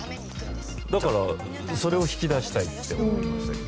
だから、それを引き出したいって思いましたけど。